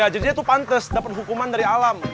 jadi dia itu pantes dapat hukuman dari alam